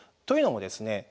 というのもですね